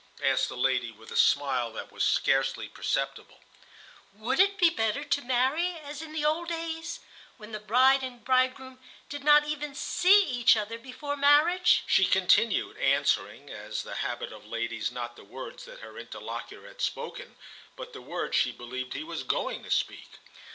asked the lady, with a smile that was scarcely perceptible. "Would it be better to marry as in the old days, when the bride and bridegroom did not even see each other before marriage?" she continued, answering, as is the habit of our ladies, not the words that her interlocutor had spoken, but the words she believed he was going to speak.